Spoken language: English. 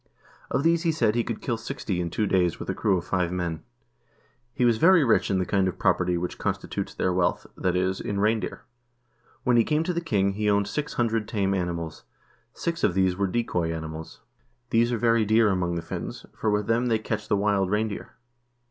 Of these he said he could kill sixty in two days with a crew of five men. " He was very rich in the kind of property which constitutes their wealth, that is, in reindeer. When he came to the king, he owned six hundred tame animals; six of these were decoy animals. These are very dear among the Finns, for with them they catch the wild reindeer.